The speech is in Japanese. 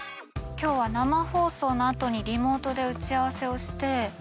今日は生放送の後にリモートで打ち合わせをして。